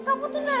kamu tuh nangis